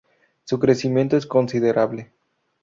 Su crecimiento es considerable.